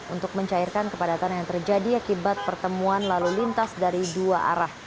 untuk mencairkan kepadatan yang terjadi akibat pertemuan lalu lintas dari dua arah